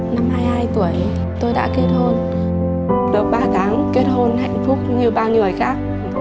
năm hai mươi hai tuổi tôi đã kết hôn được ba tháng kết hôn hạnh phúc như ba người khác